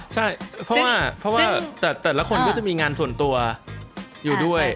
ใช่เพราะว่าแต่ละคนก็จะมีงานส่วนตัวอยู่ด้วย